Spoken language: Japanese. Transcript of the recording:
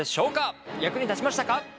役に立ちましたか？